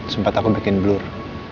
sempat aku bikin blur